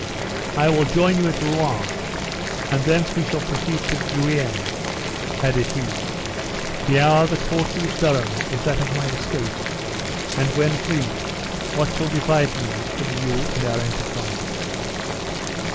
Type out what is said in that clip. "I will join you at Rouen; and thence we can proceed to Guienne," added he. "The hour the court leaves Durham is that of my escape; and when free, what shall divide me from you and our enterprise!"